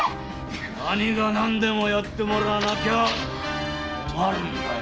何が何でもやってもらわなきゃ困るんだよ！